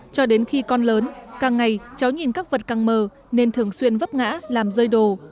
cho đến khi con lớn càng ngày cháu nhìn các vật càng mờ nên thường xuyên vấp ngã làm rơi đồ